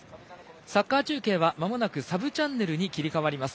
サッカー中継はまもなくサブチャンネルに移ります。